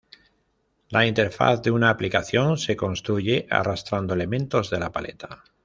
La interfaz de una aplicación se construye arrastrando elementos de la paleta.